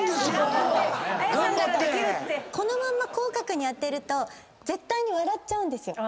このまま口角に当てると絶対に笑っちゃうんですよ。